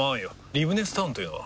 リブネスタウンというのは？